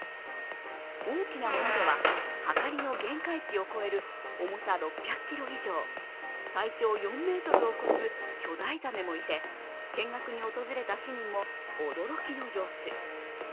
大きなものでははかりの限界値を超える重さ６００ｋｇ以上、体長４ｍを超す巨大ザメもいて見学に訪れた市民も驚きの様子。